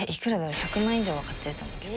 １００万以上は買ってると思うけど。